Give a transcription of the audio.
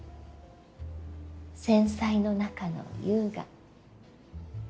繊細の中の優雅。